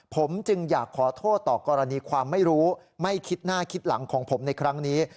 ผมจึงอยากขอโทษต่อกรณีความไม่รู้ไม่คิดหน้าคิดหลังของผมในครั้งนี้